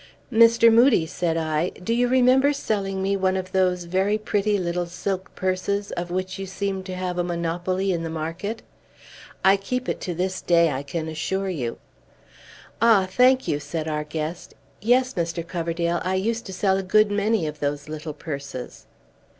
"Mr. Moodie," said I, "do you remember selling me one of those very pretty little silk purses, of which you seem to have a monopoly in the market? I keep it to this day, I can assure you." "Ah, thank you," said our guest. "Yes, Mr. Coverdale, I used to sell a good many of those little purses."